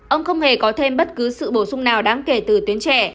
ông không hề có thêm bất cứ sự bổ sung nào đáng kể từ tuyến trẻ